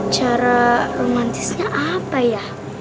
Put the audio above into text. cara romantisnya apa ya